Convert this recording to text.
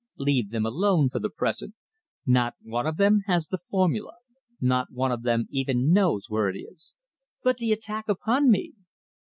"Leave them alone for the present. Not one of them has the formula. Not one of them even knows where it is." "But the attack upon me?"